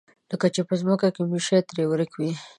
لکه په ځمکه چې کوم شی ترې ورک وي.